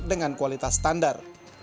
dengan kualitas standar